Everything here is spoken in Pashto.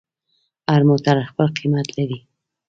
هر موټر خپل قیمت لري.